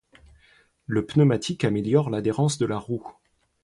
Le pneumatique améliore l'adhérence de la roue.